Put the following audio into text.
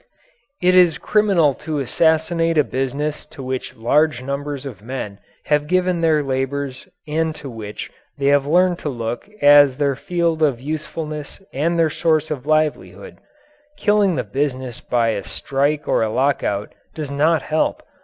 It is criminal to assassinate a business to which large numbers of men have given their labours and to which they have learned to look as their field of usefulness and their source of livelihood. Killing the business by a strike or a lockout does not help.